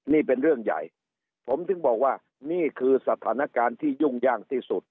นี่เป็นเรื่องใหญ่ผมถึงบอกว่านี่คือสถานการณ์ที่ยุ่งยากที่สุด